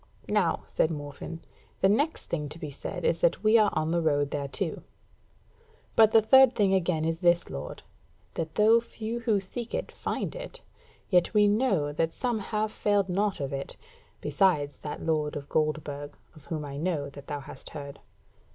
"Now," said Morfinn, "the next thing to be said is that we are on the road thereto: but the third thing again is this, lord, that though few who seek it find it, yet we know that some have failed not of it, besides that lord of Goldburg, of whom I know that thou hast heard.